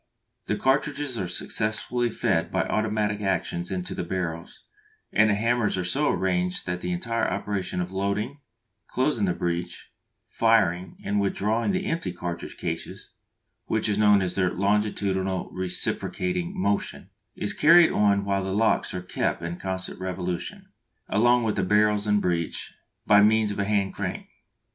The cartridges are successively fed by automatic actions into the barrels, and the hammers are so arranged that the entire operation of loading, closing the breech, firing and withdrawing the empty cartridge cases (which is known as their "longitudinal reciprocating motion") is carried on while the locks are kept in constant revolution, along with the barrels and breech, by means of a hand crank.